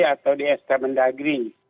di mana ada kursus yang mendagri